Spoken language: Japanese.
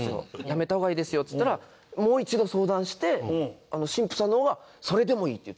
やめた方がいいですよっつったらもう一度相談して新婦さんの方がそれでもいいって。